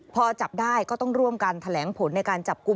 พอจับได้ก็ต้องร่วมกันแถลงผลในการจับกลุ่ม